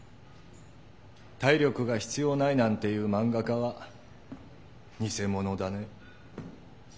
「体力が必要ない」なんて言う漫画家はニセモノだね。